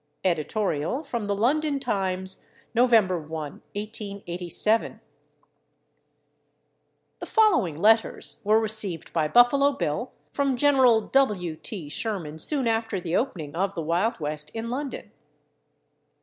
Editorial from the London Times, November 1, 1887. The following letters were received by Buffalo Bill from Gen. W. T. Sherman soon after the opening of the Wild West in London.